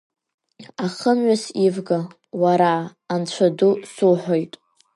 Ахымҩас ивга, уара, анцәа ду, суҳәоит!